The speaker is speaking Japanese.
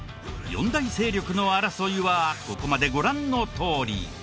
四大勢力の争いはここまでご覧のとおり。